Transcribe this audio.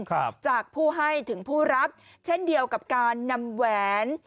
ครับจากผู้ให้ถึงผู้รับเช่นเดียวกับการนำแหวน